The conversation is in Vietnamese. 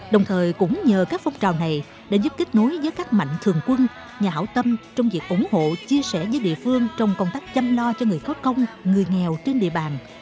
đồng thời cũng nhờ các phong trào này đã giúp kết nối với các mạnh thường quân nhà hảo tâm trong việc ủng hộ chia sẻ với địa phương trong công tác chăm lo cho người khó công người nghèo trên địa bàn